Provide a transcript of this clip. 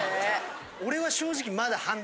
俺は正直。